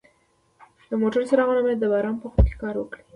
د موټر څراغونه باید د باران په وخت کار وکړي.